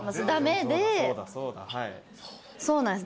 そうなんです